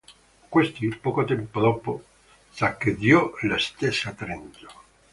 Questi, poco tempo dopo, saccheggiò la stessa Trento.